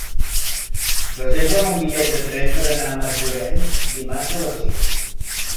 Reserva'm un bitllet de tren per anar a Masllorenç dimarts a les cinc.